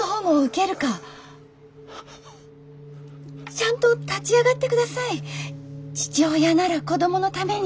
ちゃんと立ち上がってください父親なら子供のために。